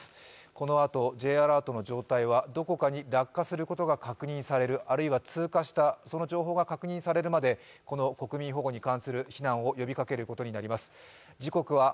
このあと、Ｊアラートの状態はどこかに落下することが確認される、あるいは通過した、その情報が確認されるまでこの国民保護に関する避難を呼びかけることになります。